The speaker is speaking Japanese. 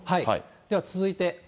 では続いて。